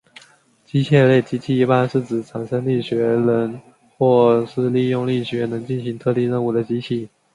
机械类机器一般是指产生力学能或是利用力学能进行特定任务的机器。